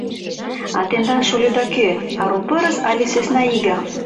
А тендан шольыда кӧ — ару пырыс але сӧснаиге?